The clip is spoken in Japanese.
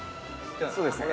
◆そうですね。